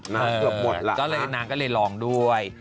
นะครับเกือบหมดล่ะค่ะมีนางก็เลยลองด้วย